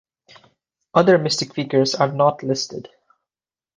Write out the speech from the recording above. Other mystic figures are not listed.